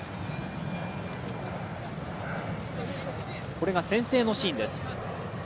これが先制のシーンです。